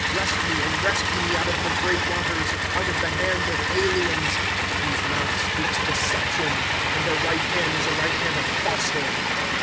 Wrest mo, and rescue me out of the great waters. Out of the hand of aliens. ^ Whose mouth speaks deception. And their right hand is a right hand of falsehood.